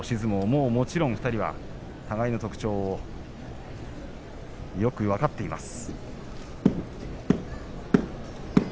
もちろん２人は互いの特徴をよく分かっています。